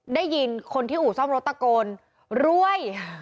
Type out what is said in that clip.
ได้ยินคนที่อู่ซ่อมรถตะโกนรวย